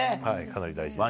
かなり大事です。